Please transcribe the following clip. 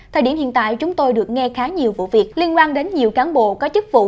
thời điểm hiện tại chúng tôi được nghe khá nhiều vụ việc liên quan đến nhiều cán bộ có chức vụ